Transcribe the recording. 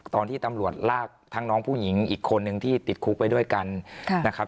ตอนที่ตำรวจลากทั้งน้องผู้หญิงอีกคนนึงที่ติดคุกไปด้วยกันนะครับ